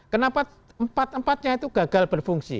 kenapa empat empat nya itu gagal berfungsi